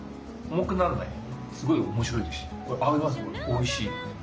おいしい。